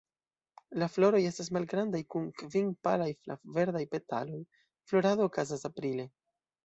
La floroj estas malgrandaj, kun kvin palaj flav-verdaj petaloj; florado okazas aprile.